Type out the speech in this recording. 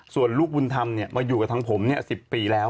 ส่วนลูกบุญธรรมมาอยู่กับทางผม๑๐ปีแล้ว